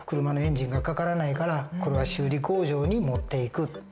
車のエンジンがかからないからこれは修理工場に持っていく。